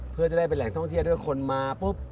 เพื่อจะได้เป็นแหล่งท่องเที่ยวด้วยคนมาปุ๊บ